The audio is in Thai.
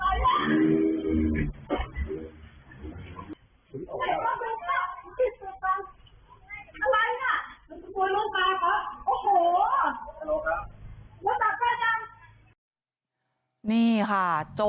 แล้วก็หลังจากนั้นก็ได้ยินเสียหาย